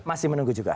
masih menunggu juga